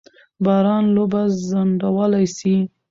باران لوبه ځنډولای سي.